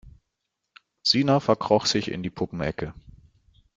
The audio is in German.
Sina verkroch sich in die Puppenecke.